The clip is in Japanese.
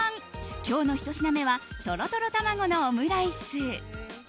今日の１品目はトロトロ卵のオムライス。